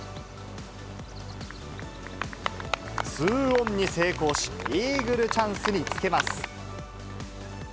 ２オンに成功し、イーグルチャンスにつけます。